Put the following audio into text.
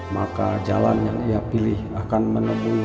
maka jalan yang ia pilih akan menemui